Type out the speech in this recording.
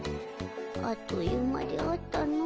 あっという間であったの。